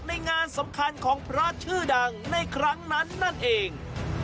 ในงานสำคัญของพระชื่อดังในครั้งนั้นนั่นเอง